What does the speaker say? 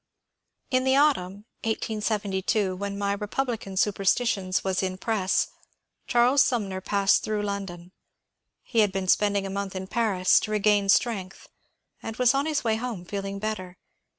In the autumn (1872), when my ^^ Republican Supersti tions " was in press, Charles Sumner passed through London. He had been spending a month in Paris, to regain strength, and was on his way home, feeling better.